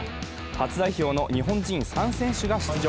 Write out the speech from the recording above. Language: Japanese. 初代表の日本人３選手が出場。